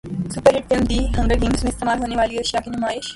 super hit film The Hunger Games میں استعمال ہونیوالی اشیاء کی نمائش